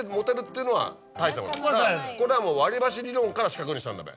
これはもう割り箸理論から四角にしたんだべ？